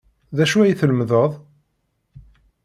D acu ay tlemmdeḍ?